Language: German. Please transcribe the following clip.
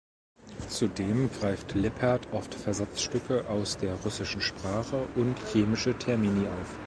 Zudem greift Lippert oft Versatzstücke aus der russischen Sprache und chemische Termini auf.